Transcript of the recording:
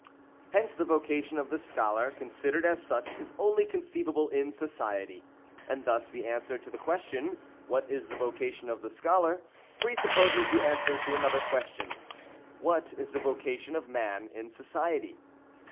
Hence the vocation of the Scholar considered as such is only conceivable in society, and thus the answer to the question, —" What is the vocation of the Scholar?" — pre supposes the answer to another question, — "What is the vocation of man in Society?"